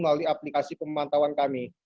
melalui aplikasi pemantauan kami